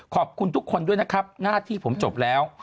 ขอบคุณทุกคนด้วยนะครับหน้าที่ผมจบแล้ว